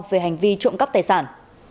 về hành vi trộm cấp tài sản